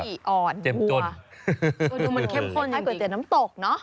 ดูมันเค็มข้นให้กล้วยเตี๋ยวน้ำตกน่ะ